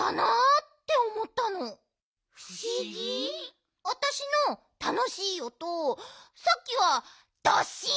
ふしぎ？あたしのたのしいおとさっきは「ドッシン！」